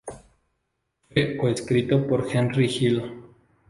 Fue co-escrito por Henry Hill.